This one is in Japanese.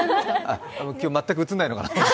今日全く映らないのかと。